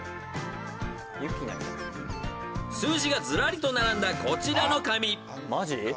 ［数字がずらりと並んだこちらの紙］